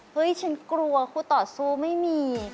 ฉันกลัวคู่ต่อสู้ไม่มี